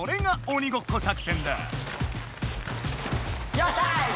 よっしゃ！